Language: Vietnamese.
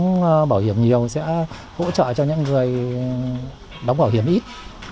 đóng bảo hiểm nhiều sẽ hỗ trợ cho những người đóng bảo hiểm ít